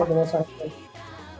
gak ada soal itu